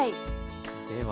では。